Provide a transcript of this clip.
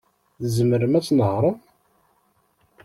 Tzemrem ad tnehṛem?